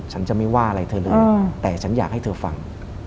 ฉันจะไม่ว่าอะไรเธอเลยแต่ฉันอยากให้เธอฟัง